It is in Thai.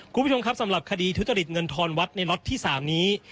คุณผู้ชมครับสำหรับคดีทุจริตเงินทอนวัดในล็อตที่๓นี้